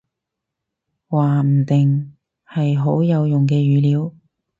話唔定，係好有用嘅語料